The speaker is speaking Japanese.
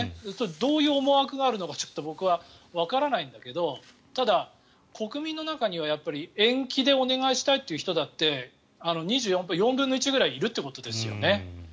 どういう思惑があるのか僕はわからないんだけどただ、国民の中には延期でお願いしたいという人だって２４％、４分の１ぐらいいるということですね。